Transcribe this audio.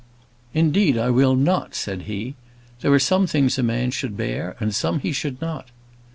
"Indeed, I will not," said he. "There are some things a man should bear, and some he should not."